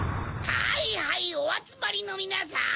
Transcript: はいはいおあつまりのみなさん！